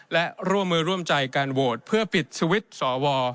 และร่วมมือร่วมใจการโหวตเพื่อปิดสวิตช์สว